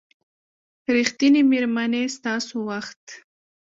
ریښتینې میرمنې ستاسو وخت